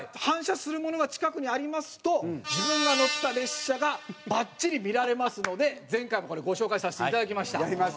反射するものが近くにありますと自分が乗った列車がバッチリ見られますので前回もこれご紹介させて頂きました。